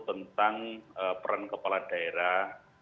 tentang peran kepala daerah